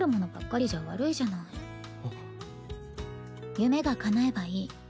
夢がかなえばいい。